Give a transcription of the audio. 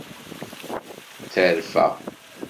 Terfa.